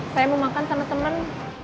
saya mau makan sama temen